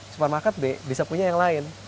supermarket bisa punya yang lain